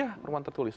ya permohonan tertulis